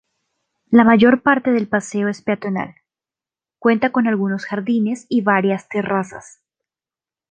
La mayor parte del paseo es peatonal, cuenta con algunos jardines y varias terrazas.